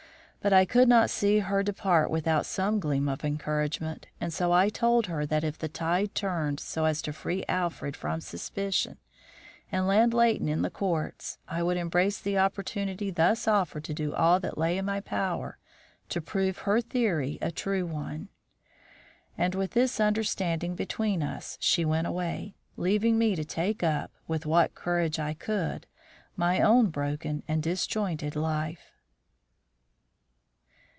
But I could not see her depart without some gleam of encouragement, and so I told her that if the tide turned so as to free Alfred from suspicion and land Leighton in the courts, I would embrace the opportunity thus offered to do all that lay in my power to prove her theory a true one. And with this understanding between us she went away, leaving me to take up, with what courage I could, my own broken and disjointed life.